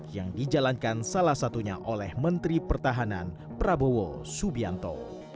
yang dijalankan salah satunya oleh menteri pertahanan prabowo subianto